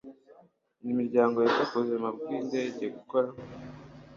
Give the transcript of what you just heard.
n imiryango yita ku buzima bw indege gukora